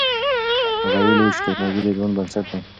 هغه ویلي و چې تکنالوژي د ژوند بنسټ دی.